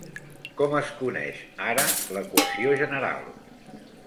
Com es coneix ara l'equació general?